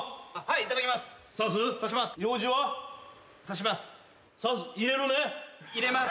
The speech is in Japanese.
いただきます。